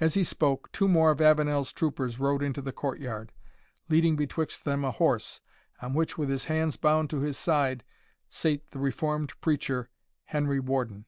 As he spoke, two more of Avenel's troopers rode into the court yard, leading betwixt them a horse, on which, with his hands bound to his side, sate the reformed preacher, Henry Warden.